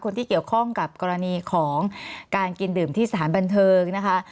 คนที่เกี่ยวข้องกับกรณีของการกินดื่มที่สถานบันเทิงนะคะ